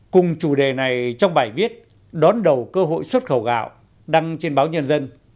cùng chủ đề này trong bài viết đón đầu cơ hội xuất khẩu gạo đăng trên báo nhân dân